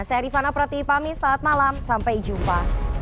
saya rifana pratipami selamat malam sampai jumpa